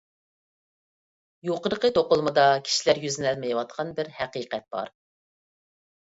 يۇقىرىقى توقۇلمىدا كىشىلەر يۈزلىنەلمەيۋاتقان بىر ھەقىقەت بار.